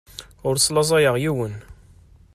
Ur slaẓayeɣ yiwen.